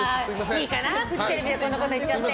いいかな、フジテレビでこんなこと言っちゃって。